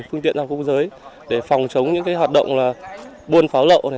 phương tiện hàng hóa quốc giới để phòng chống những hoạt động buôn pháo lậu